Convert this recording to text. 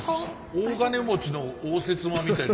大金持ちの応接間みたいに。